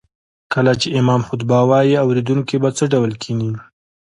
کله چې امام خطبه وايي اوريدونکي به څه ډول کيني